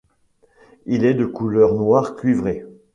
Il est de couleur noir cuivré.